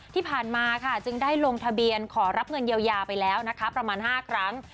ที่ผ่านมาค่ะจึงได้ลงทะเบียนขอรับเงินเยียวยาไปแล้วนะคะประมาณ๕ครั้ง